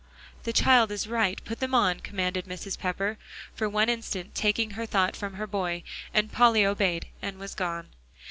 "The child is right; put them on," commanded Mrs. Pepper, for one instant taking her thought from her boy; and Polly obeyed, and was gone.